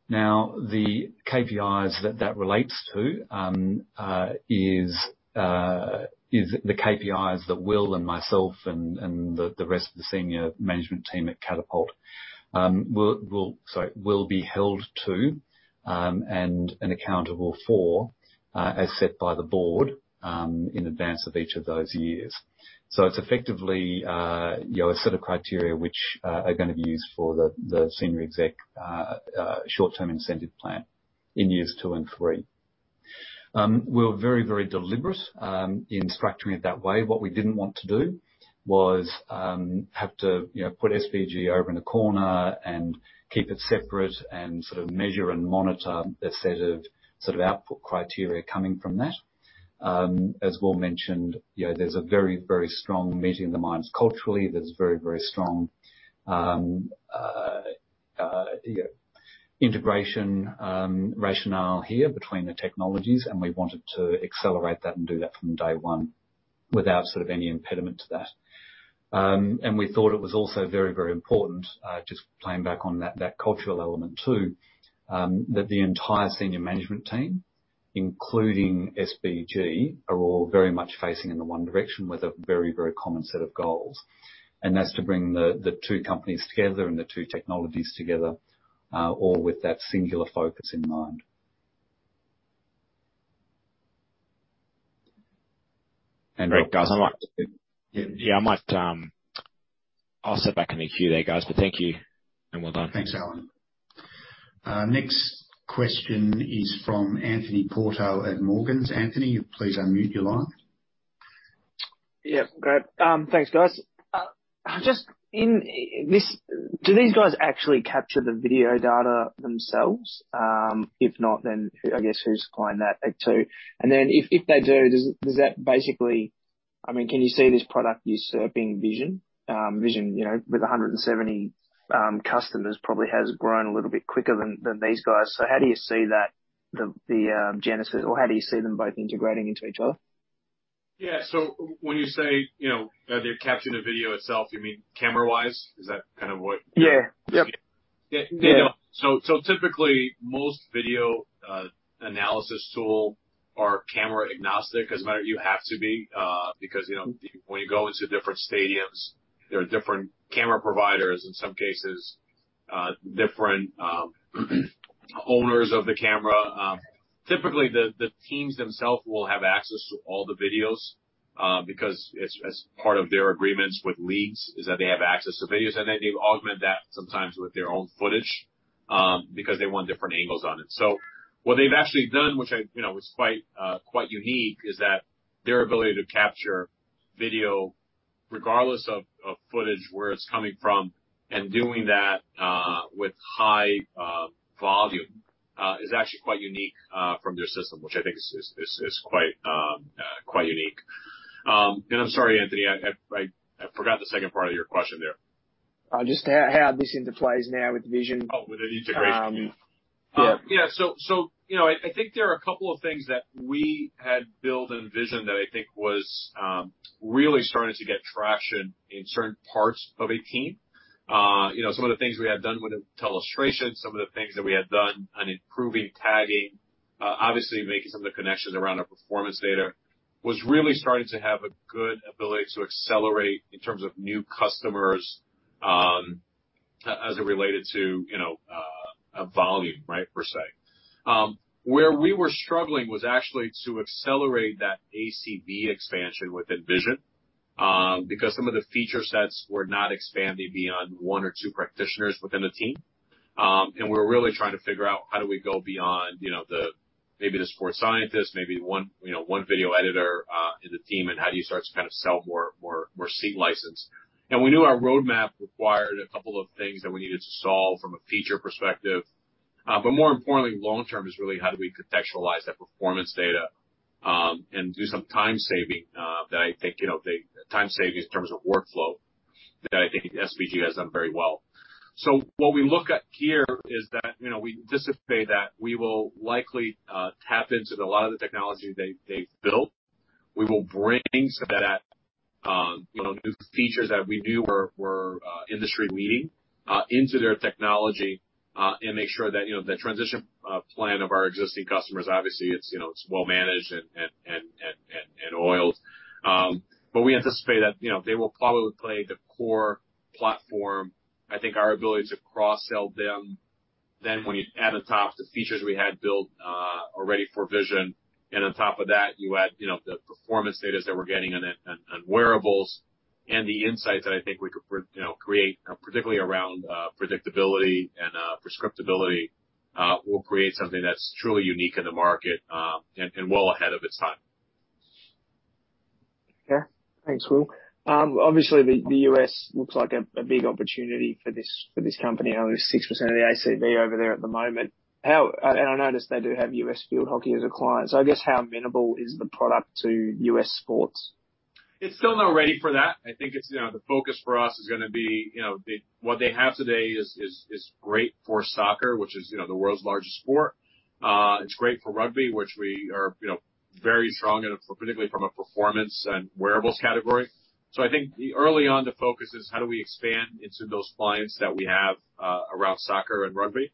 Now, the KPIs that relates to is the KPIs that Will and myself and the rest of the senior management team at Catapult will be held to and accountable for as set by the board in advance of each of those years. It's effectively a set of criteria which are going to be used for the senior exec short-term incentive plan in years two and three. We're very, very deliberate in structuring it that way. What we didn't want to do was have to put SBG over in a corner and keep it separate and measure and monitor a set of output criteria coming from that. As Will mentioned, there's a very, very strong meeting of the minds culturally. There's a very, very strong integration rationale here between the technologies, and we wanted to accelerate that and do that from day one without any impediment to that. We thought it was also very, very important, just playing back on that cultural element too, that the entire senior management team, including SBG, are all very much facing in the one direction with a very, very common set of goals. That's to bring the two companies together and the two technologies together, all with that singular focus in mind. Look, guys, I'll sit back in a few there, guys, but thank you and well done. Thanks, Owen. Next question is from Anthony Portal at Morgans. Anthony, please unmute your line. Yeah, great. Thanks, guys. Do these guys actually capture the video data themselves? If not, then I guess who's client that too. If they do, can you see this product usurping Vision? Vision with 170 customers probably has grown a little bit quicker than these guys. How do you see that, the genesis, or how do you see them both integrating into each other? Yeah. when you say they're capturing the video itself, you mean camera-wise? Is that kind of what- Yeah. Typically, most video analysis tool are camera agnostic as you have to be, because when you go into different stadiums, there are different camera providers, in some cases, different owners of the camera. Typically, the teams themselves will have access to all the videos, because as part of their agreements with leagues is that they have access to videos, and then they augment that sometimes with their own footage, because they want different angles on it. What they've actually done, which was quite unique, is that their ability to capture video regardless of footage, where it's coming from, and doing that with high volume is actually quite unique from their system, which I think is quite unique. I'm sorry, Anthony, I forgot the second part of your question there. Just how this interplays now with Vision. Oh, with the integration. Yeah. Yeah. I think there are a couple of things that we had built in Vision that I think was really starting to get traction in certain parts of a team. Some of the things we had done with illustration, some of the things that we had done on improving tagging. Obviously making some of the connections around our performance data was really starting to have a good ability to accelerate in terms of new customers, as it related to volume, per se. Where we were struggling was actually to accelerate that ACV expansion within Vision, because some of the feature sets were not expanding beyond one or two practitioners within a team. We're really trying to figure out how do we go beyond, maybe the sports scientist, maybe one video editor in the team, and how do you start to sell more seat license. We knew our roadmap required a couple of things that we needed to solve from a feature perspective. More importantly, long-term is really how do we contextualize that performance data, and do some time saving in terms of workflow that I think SBG does that very well. What we look at here is that, we anticipate that we will likely tap into a lot of the technology they've built. We will bring some of that new features that we knew were industry leading into their technology, and make sure that the transition plan of our existing customers, obviously, it's well managed and oiled. We anticipate that they will probably play the core platform. I think our ability to cross-sell them, then when you add atop the features we had built already for Vision, and on top of that, you add the performance data that we're getting and wearables, and the insights that I think we can create, particularly around predictability and prescriptability, will create something that's truly unique in the market, and well ahead of its time. Yeah. Thanks, Will. Obviously, the U.S. looks like a big opportunity for this company. Only 6% of the ACV are over there at the moment. I noticed they do have USA Field Hockey as a client. I guess how amenable is the product to U.S. sports? It's still not ready for that. I think the focus for us is going to be, what they have today is great for soccer, which is the world's largest sport. It's great for rugby, which we are very strong in, particularly from a performance and wearables category. I think early on the focus is how do we expand into those clients that we have around soccer and rugby.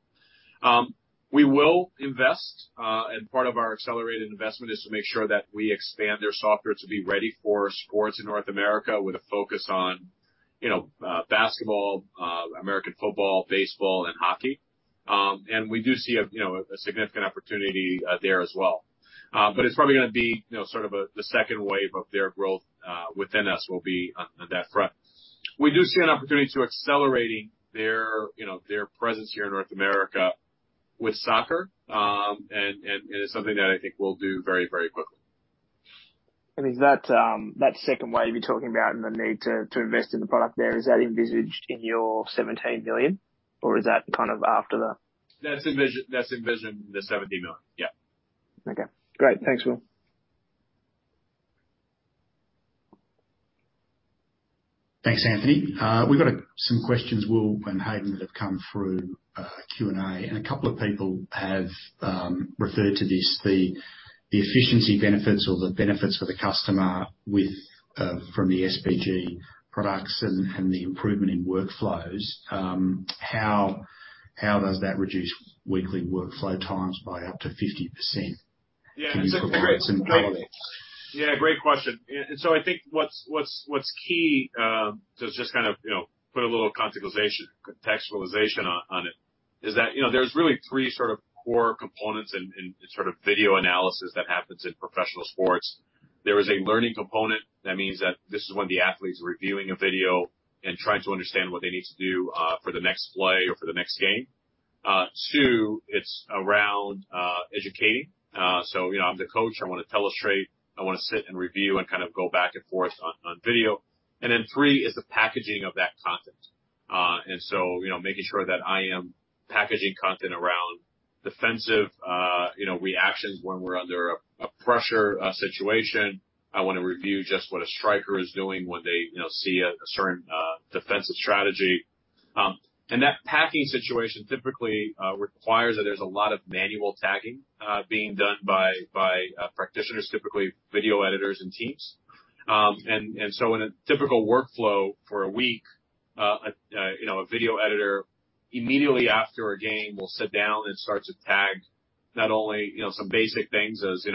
We will invest, and part of our accelerated investment is to make sure that we expand their software to be ready for sports in North America with a focus on basketball, American football, baseball, and hockey. We do see a significant opportunity there as well. It's probably going to be the second wave of their growth within us will be on that front. We do see an opportunity to accelerating their presence here in North America with soccer, and is something that I think we'll do very quickly. Is that second wave you're talking about and the need to invest in the product there, is that envisaged in your 17 million? Or is that after the. That's envisioned in the 17 million. Yeah. Okay, great. Thanks, Will. Thanks, Anthony Portal. We've got some questions, Will Lopes and Hayden Stockdale, that have come through Q&A, and a couple of people have referred to this, the efficiency benefits or the benefits for the customer from the SBG products and the improvement in workflows. How does that reduce weekly workflow times by up to 50% in terms of the rates involved? Yeah, great question. I think what's key, to just put a little contextualization on it, is that there's really three core components in video analysis that happens in professional sports. There is a learning component, that means that this is when the athlete's reviewing a video and trying to understand what they need to do for the next play or for the next game. Two, it's around educating. I'm the coach, I want to illustrate, I want to sit and review and go back and forth on video. Three is the packaging of that content. Making sure that I am packaging content around defensive reactions when we're under a pressure situation. I want to review just what a striker is doing when they see a certain defensive strategy. Tagging situation typically requires that there's a lot of manual tagging being done by practitioners, typically video editors and teams. in a typical workflow for a week, a video editor immediately after a game will sit down and start to tag not only some basic things as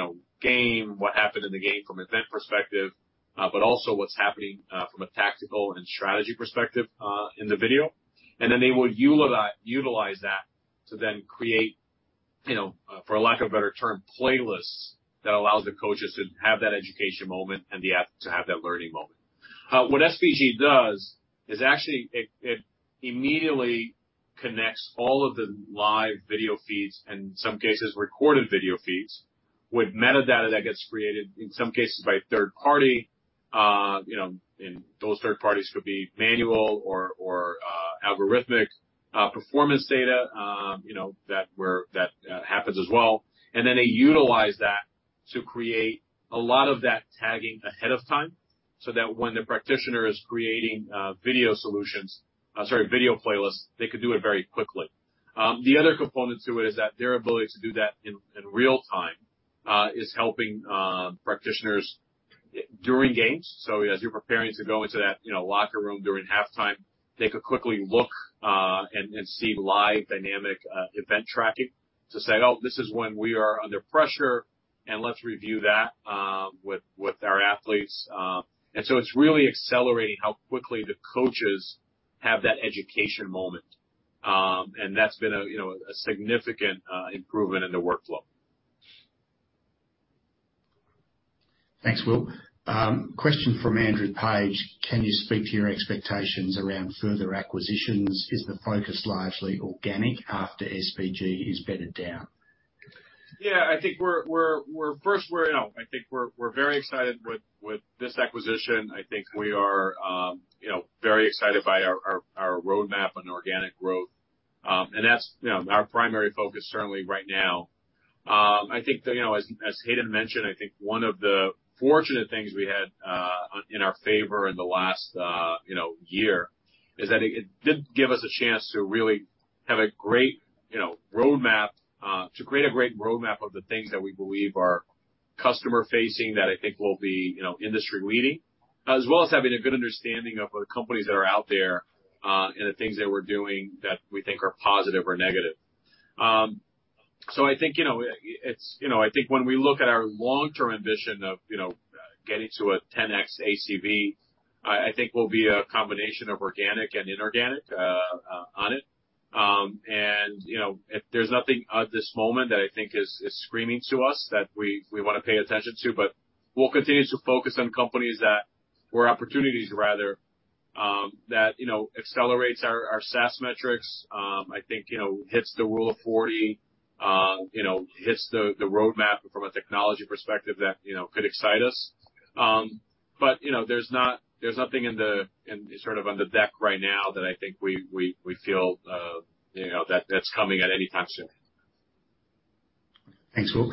game, what happened in the game from event perspective, but also what's happening from a tactical and strategy perspective in the video. they would utilize that to then create, for lack of a better term, playlists that allows the coaches to have that education moment and the athlete to have that learning moment. What SBG does is actually it immediately connects all of the live video feeds, in some cases recorded video feeds, with metadata that gets created in some cases by third party. Those third parties could be manual or algorithmic performance data that happens as well. They utilize that to create a lot of that tagging ahead of time, so that when the practitioner is creating video playlists, they can do it very quickly. The other component to it is that their ability to do that in real time is helping practitioners during games. As you're preparing to go into that locker room during halftime, they could quickly look and see live dynamic event tracking to say, "Oh, this is when we are under pressure, and let's review that with our athletes." It's really accelerating how quickly the coaches have that education moment. That's been a significant improvement in the workflow. Thanks, Will. Question from Andrew Page: Can you speak to your expectations around further acquisitions? Is the focus largely organic after SBG is bedded down? Yeah. I think we're very excited with this acquisition. I think we are very excited by our roadmap on organic growth. That's our primary focus, certainly right now. I think, as Hayden mentioned, I think one of the fortunate things we had in our favor in the last year is that it did give us a chance to create a great roadmap of the things that we believe are customer-facing, that I think will be industry-leading. As well as having a good understanding of other companies that are out there, and the things that we're doing that we think are positive or negative. I think when we look at our long-term ambition of getting to a 10x ACV, I think we'll be a combination of organic and inorganic on it. There's nothing at this moment that I think is screaming to us that we want to pay attention to, but we'll continue to focus on companies or opportunities rather, that accelerates our SaaS metrics. I think hits the Rule of 40, hits the roadmap from a technology perspective that could excite us. There's nothing sort of on the deck right now that I think we feel that's coming at any time soon. Thanks, Will.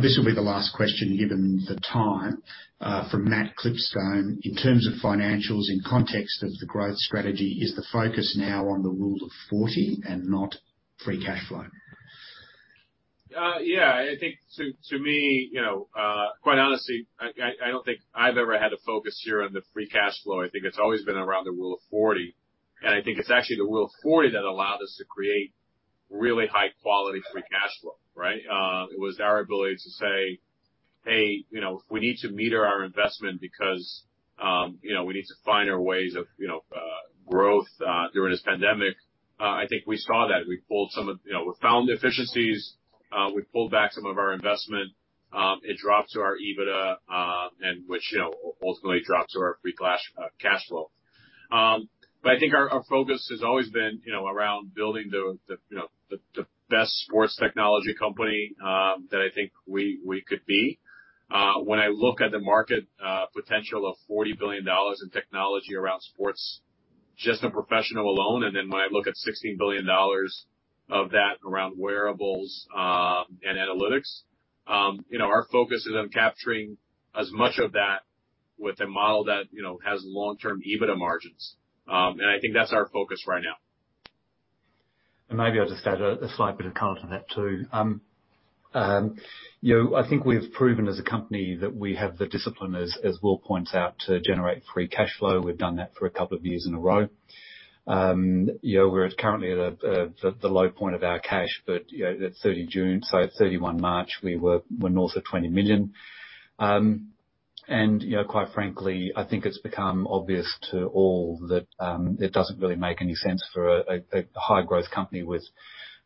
This will be the last question, given the time. From Matt Clipstone: In terms of financials in context of the growth strategy, is the focus now on the Rule of 40 and not free cash flow? Yeah. I think to me, quite honestly, I don't think I've ever had a focus here on the free cash flow. I think it's always been around the Rule of 40, and I think it's actually the Rule of 40 that allowed us to create really high-quality free cash flow. Right? It was our ability to say, "Hey, we need to meter our investment because we need to find our ways of growth during this pandemic." I think we saw that. We found efficiencies. We pulled back some of our investment. It dropped to our EBITDA, and which ultimately dropped to our free cash flow. I think our focus has always been around building the best sports technology company that I think we could be. When I look at the market potential of 40 billion dollars in technology around sports, just in professional alone, and then when I look at 16 billion dollars of that around wearables and analytics. Our focus is on capturing as much of that with a model that has long-term EBITDA margins. I think that's our focus right now. Maybe I'll just add a slight bit of color to that, too. I think we've proven as a company that we have the discipline, as Will points out, to generate free cash flow. We've done that for a couple of years in a row. We're currently at the low point of our cash, but at 30 June. Sorry, at 31 March, we're north of 20 million. Quite frankly, I think it's become obvious to all that it doesn't really make any sense for a high-growth company with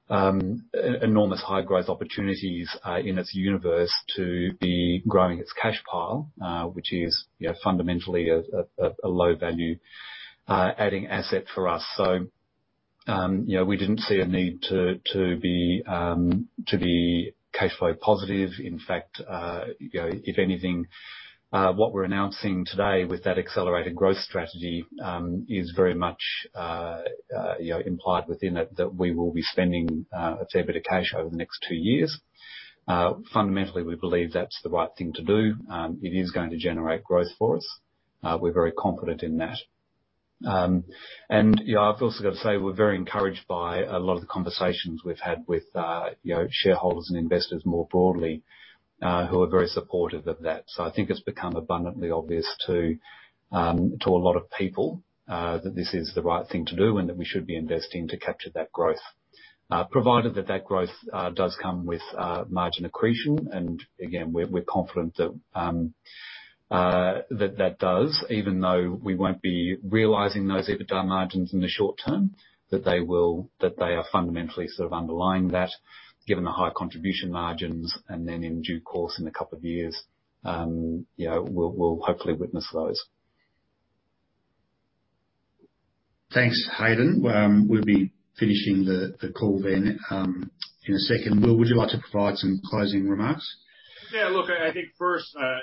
enormous high-growth opportunities in its universe to be growing its cash pile, which is fundamentally a low-value adding asset for us. We didn't see a need to be cash flow positive. In fact, if anything, what we're announcing today with that accelerated growth strategy is very much implied within it that we will be spending a fair bit of cash over the next two years. Fundamentally, we believe that's the right thing to do. It is going to generate growth for us. We're very confident in that. I've also got to say, we're very encouraged by a lot of the conversations we've had with shareholders and investors more broadly, who are very supportive of that. I think it's become abundantly obvious to a lot of people that this is the right thing to do and that we should be investing to capture that growth, provided that that growth does come with margin accretion. Again, we're confident that that does, even though we won't be realizing those EBITDA margins in the short-term, that they are fundamentally sort of underlying that, given the high contribution margins, and then in due course, in a couple of years, we'll hopefully witness those. Thanks, Hayden. We'll be finishing the call then in a second. Will, would you like to provide some closing remarks? Look, I think first, I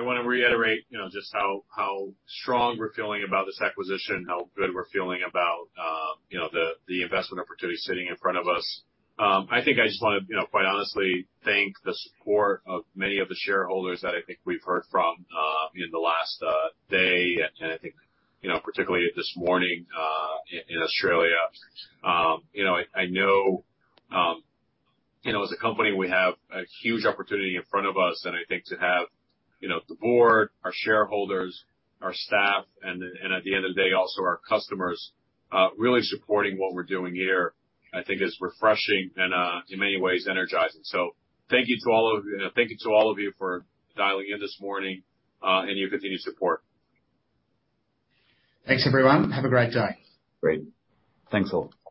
want to reiterate just how strong we're feeling about this acquisition, how good we're feeling about the investment opportunity sitting in front of us. I think I just want to quite honestly thank the support of many of the shareholders that I think we've heard from in the last day, I think particularly this morning in Australia. I know as a company, we have a huge opportunity in front of us, and I think to have the board, our shareholders, our staff, and at the end of the day, also our customers, really supporting what we're doing here, I think is refreshing and in many ways energizing. Thank you to all of you for dialing in this morning, and your continued support. Thanks, everyone. Have a great day. Great. Thanks a lot.